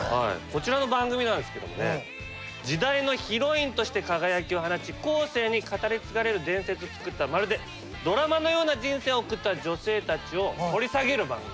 こちらの番組なんですけどもね時代のヒロインとして輝きを放ち後世に語り継がれる伝説を作ったまるでドラマのような人生を送った女性たちを掘り下げる番組。